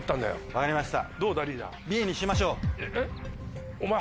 分かりました。